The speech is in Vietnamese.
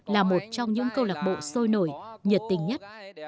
là một trong những câu lạc bộ sôi nổi nhiệt tình nhất